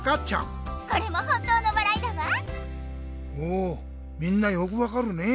おみんなよく分かるね！